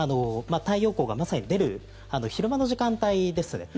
太陽光がまさに出る昼間の時間帯ですね